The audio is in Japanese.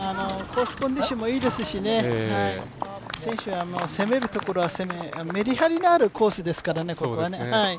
コンディションもいいですし選手は攻めるところは攻める、めりはりのあるコースですからね。